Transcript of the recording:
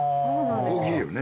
大きいよね。